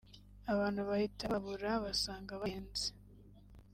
abantu bahita bababura basanga barenze